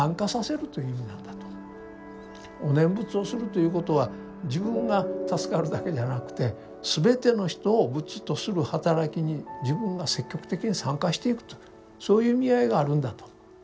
お念仏をするということは自分が助かるだけじゃなくて全ての人を仏とするはたらきに自分が積極的に「参加」していくとそういう意味合いがあるんだと。